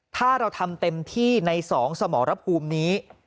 ถ้าเราทำเต็มที่ใน๒สมรภูมินี้